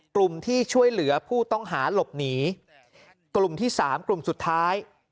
๒กลุ่มที่ช่วยเหลือผู้ต้องหาหลบหนี๓กลุ่มสุดท้าย